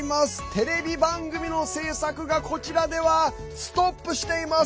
テレビ番組の制作がこちらではストップしています。